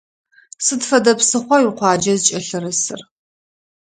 Сыд фэдэ псыхъуа уикъуаджэ зыкӏэлъырысыр?